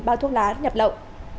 ba bao thuốc lá nhập lậu